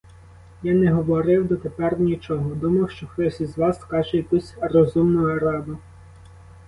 Я не говорив дотепер нічого, думав, що хтось із вас скаже якусь розумну раду.